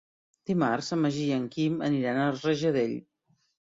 Dimarts en Magí i en Quim aniran a Rajadell.